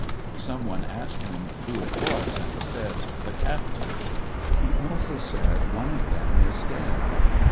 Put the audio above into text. Some one asked hira who it was, and he said, " The captain." He also said, "One of them is dead."